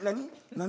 何？